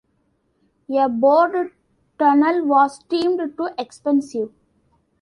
A bored tunnel was deemed too expensive.